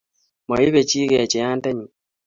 Moipe chi kecheiyan nde nyun.